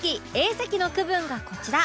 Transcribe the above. Ａ 席の区分がこちら